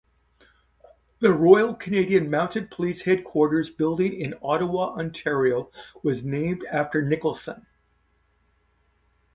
The Royal Canadian Mounted Police headquarters building in Ottawa, Ontario was named after Nicholson.